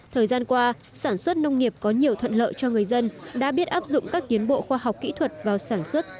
thời gian qua sản xuất nông nghiệp có nhiều thuận lợi cho người dân đã biết áp dụng các tiến bộ khoa học kỹ thuật vào sản xuất